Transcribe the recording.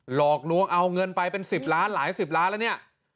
หลอกลวงเอาเงินไปเป็น๑๐ล้านหลายสิบล้านแล้วเนี่ย